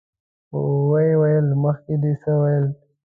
ويې ويل: مخکې دې څه ويل؟